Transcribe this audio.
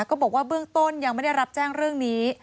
ก็บอกว่าเบื้องต้นยังไม่ได้รับแจ้งเรื่องนี้